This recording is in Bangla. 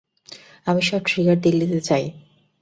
আমি সব ট্রিগার দিল্লি তে চাই।